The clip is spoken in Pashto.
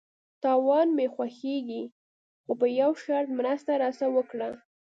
_تاوان مې نه خوښيږي، خو په يوه شرط، مرسته راسره وکړه!